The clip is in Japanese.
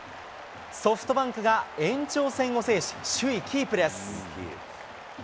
ソフトバンクが延長戦を制し、首位キープです。